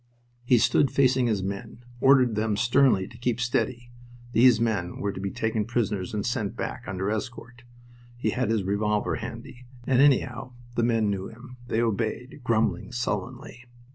He stood facing his own men, ordered them sternly to keep steady. These men were to be taken prisoners and sent back under escort. He had his revolver handy, and, anyhow, the men knew him. They obeyed, grumbling sullenly.